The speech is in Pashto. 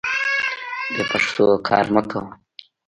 بې پښتو کار مه کوه.